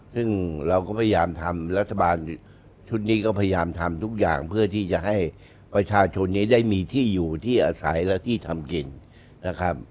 ซึ่งเราก็พยายามทำรัฐบาลชุดนี้ก็พยายามทำทุกอย่างเพื่อที่จะให้ประชาชนนี้ได้มีที่อยู่ที่อาศัยและที่ทำกินนะครับ